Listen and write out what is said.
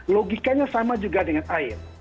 logikanya sama juga dengan air